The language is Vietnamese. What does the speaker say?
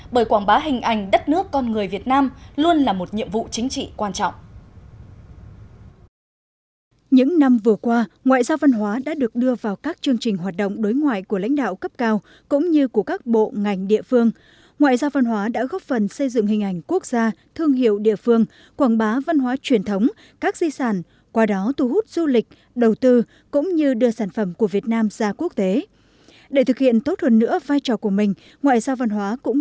bởi quảng bá hình ảnh đất nước con người việt nam luôn là một nhiệm vụ chính trị quan trọng